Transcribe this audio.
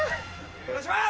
お願いします！